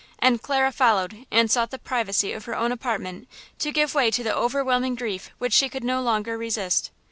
And Clara followed and sought the privacy of her own apartment to give way to the overwhelming grief which she could no longer resist.